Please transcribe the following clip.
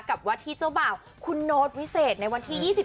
กับวัดที่เจ้าบ่าวคุณโน้ตวิเศษในวันที่๒๓